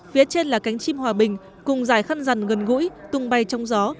phía trên là cánh chim hòa bình cùng giải khăn rằn gần gũi tung bay trong gió